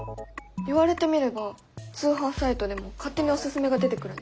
言われてみれば通販サイトでも勝手におススメが出てくるね。